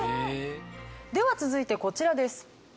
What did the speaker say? では続いてこちらです。